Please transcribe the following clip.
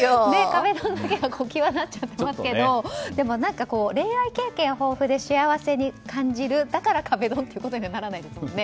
壁ドンだけが際立っちゃってますけどでも、恋愛経験豊富で幸せに感じるだから壁ドンってことにはならないですよね。